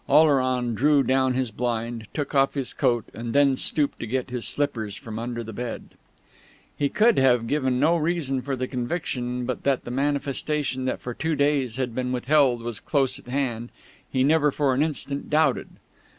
Oleron drew down his blind, took off his coat, and then stooped to get his slippers from under the bed. He could have given no reason for the conviction, but that the manifestation that for two days had been withheld was close at hand he never for an instant doubted.